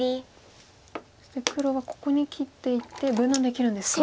そして黒はここに切っていって分断できるんですか。